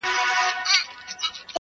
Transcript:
په زگېرويو په آهونو کي چي ساز دی_